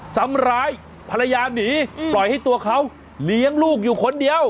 ทำร้ายภรรยาหนีปล่อยให้ตัวเขาเลี้ยงลูกอยู่คนเดียว